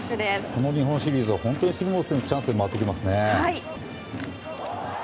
この日本シリーズは本当に杉本選手にチャンスで回ってきますね。